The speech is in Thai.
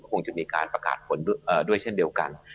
คงจะมีการประกาศผลด้วยเช่นเดียวกัน